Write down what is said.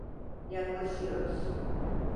Yaklaşıyoruz.